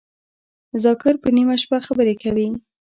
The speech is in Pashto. ذاکر په نیمه شپه خبری کوی